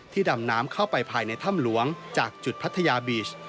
ดำน้ำเข้าไปภายในถ้ำหลวงจากจุดพัทยาบีช